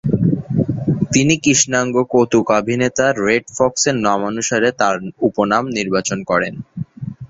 তিনি কৃষ্ণাঙ্গ কৌতুকাভিনেতা রেড ফক্সের নামানুসারে তার উপনাম নির্বাচন করেন।